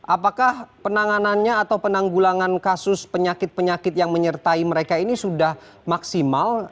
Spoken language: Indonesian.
apakah penanganannya atau penanggulangan kasus penyakit penyakit yang menyertai mereka ini sudah maksimal